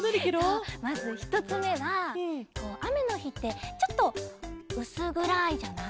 そうまずひとつめはあめのひってちょっとうすぐらいじゃない？